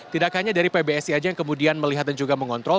tidak hanya dari pbsi saja yang kemudian melihat dan juga mengontrol